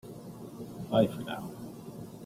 Bye for now!